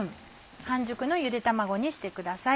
半熟のゆで卵にしてください。